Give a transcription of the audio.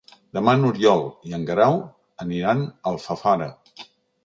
Demà n'Oriol i en Guerau aniran a Alfafara.